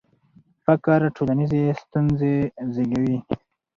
فقر ټولنیزې ستونزې زیږوي.